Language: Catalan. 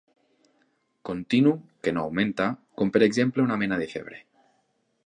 Continu, que no augmenta, com per exemple una mena de febre.